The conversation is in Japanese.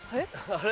あれ？